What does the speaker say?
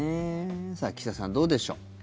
岸田さん、どうでしょう。